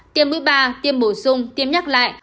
tiêm mũi ba tiêm bổ sung tiêm nhắc lại